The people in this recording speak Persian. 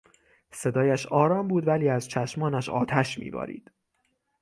صدایش آرام بود ولی از چشمانش آتش میبارید.